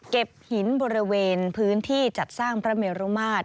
หินบริเวณพื้นที่จัดสร้างพระเมรุมาตร